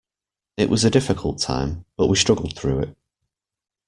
It was a difficult time, but we struggled through it.